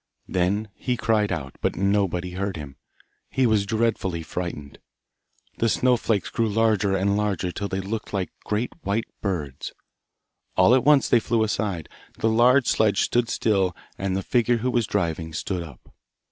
Then he cried out, but nobody heard him. He was dreadfully frightened. The snowflakes grew larger and larger till they looked like great white birds. All at once they flew aside, the large sledge stood still, and the figure who was driving stood up.